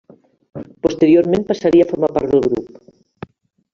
Posteriorment passaria a formar part del grup.